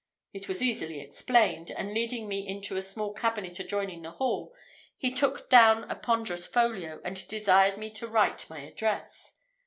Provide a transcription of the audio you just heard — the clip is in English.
It was easily explained; and leading me into a small cabinet adjoining the hall, he took down a ponderous folio, and desired me to write my address.